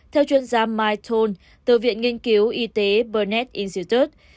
theo chuyên gia mike tone từ viện nghiên cứu y tế burnett institute